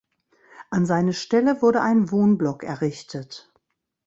An seine Stelle wurde ein Wohnblock errichtet.